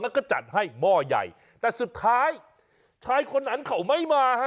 แล้วก็จัดให้หม้อใหญ่แต่สุดท้ายชายคนนั้นเขาไม่มาฮะ